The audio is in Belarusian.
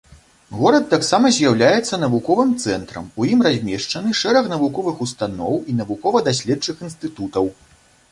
Горад таксама з'яўляецца навуковым цэнтрам, у ім размешчаны шэраг навуковых устаноў і навукова-даследчых інстытутаў.